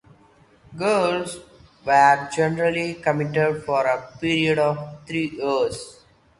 Girls were generally committed for a period of three years.